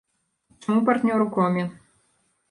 Чаму партнёр у коме?